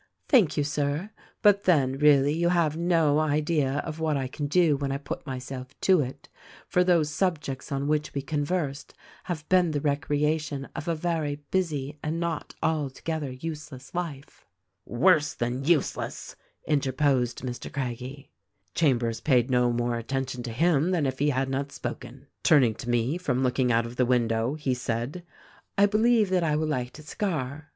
" 'Thank you, Sir; but then, really, you have no idea of what I can do when I put myself to it, for those subjects on which we conversed have been the recreation of a very busy, and not altogether useless life.' " 'Worse than useless!' interposed Mr. Craggie. "Chambers paid no more attention to him than if he had not spoken. "Turning to me from looking out of the window he said, 'I believe that I will light a cigar.